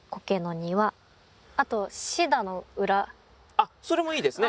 あっそれもいいですね。